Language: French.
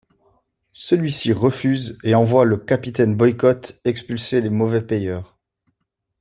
Celui-ci refuse et envoie le capitaine Boycott expulser les mauvais payeurs.